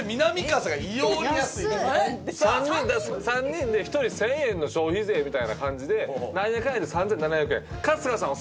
３人で１人１，０００円の消費税みたいな感じで何やかんやで３，７００円。